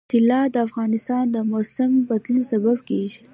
طلا د افغانستان د موسم د بدلون سبب کېږي.